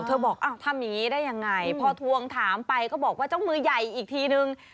บอกทำอย่างนี้ได้ยังไงพอทวงถามไปก็บอกว่าเจ้ามือใหญ่อีกทีนึง